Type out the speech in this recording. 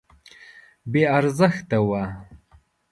بې ارزښته وه.